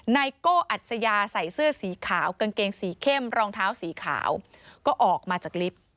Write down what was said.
โก้อัศยาใส่เสื้อสีขาวกางเกงสีเข้มรองเท้าสีขาวก็ออกมาจากลิฟต์